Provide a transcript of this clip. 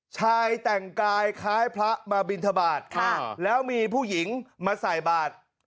ชายแต่งกายคล้ายพระมาบินทบาทแล้วมีผู้หญิงมาใส่บาท